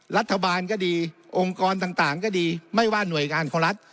รัฐบาลก็ดีองค์กรต่างก็ดีไม่ว่าหน่วยงานของรัฐ